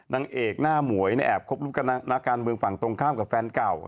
นางเอกหน้าหมวยแอบคบลูกกับนักการเมืองฝั่งตรงข้ามกับแฟนเก่า